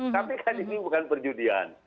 tapi kan ini bukan perjudian